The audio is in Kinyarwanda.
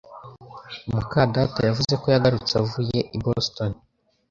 muka data yavuze ko yagarutse avuye i Boston